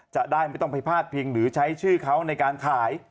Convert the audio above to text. จะได้ไม่ต้องไปพาดพิงหรือใช้ชื่อเขาในการขาย